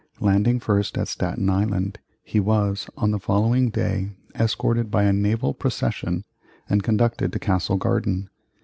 Landing first at Staten Island, he was, on the following day, escorted by a naval procession and conducted to Castle Garden.